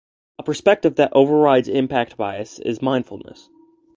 A perspective that overrides impact bias is mindfulness.